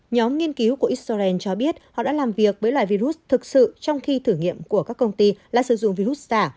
nhóm nghiên cứu của israel cho biết họ đã làm việc với loài virus thực sự trong khi thử nghiệm của các công ty là sử dụng virus giả